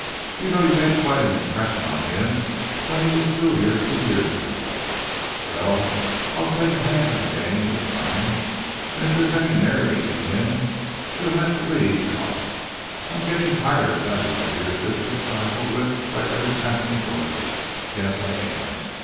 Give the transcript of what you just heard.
You know you made quite an impression on him when he was through here two years ago. Well, I'll take a hand in the game this time, and if there's any marry in him, he'll have to lead trumps. I'm getting tired of having my dear sister trifled with by every passing drover. Yes, I am!